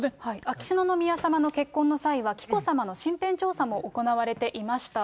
秋篠宮さまの結婚の際は、紀子さまの身辺調査も行われていました。